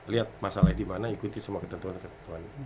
lihat masalahnya di mana ikuti semua ketentuan ketentuan